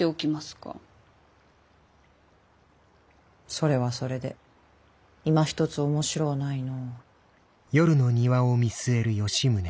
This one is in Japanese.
それはそれでいまひとつ面白うないの。